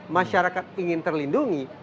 masyarakat ingin terlindungi